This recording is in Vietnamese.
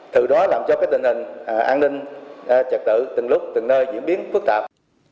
thứ đó làm cho cái tình hình an ninh trật tự từng lúc từng nơi diễn biến phức tạp